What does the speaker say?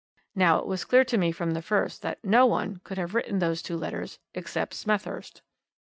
Now it was clear to me from the first that no one could have written those two letters except Smethurst.